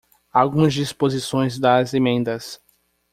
Algumas disposições das emendas